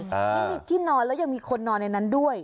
ที่มีที่นอนแล้วยังมีคนนอนในนั้นด้วย